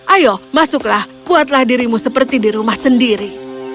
ayo masuklah buatlah dirimu seperti di rumah sendiri